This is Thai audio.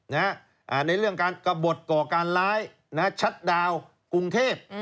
ในเรื่องการกระบดก่อการร้ายชัดดาวกรุงเทพ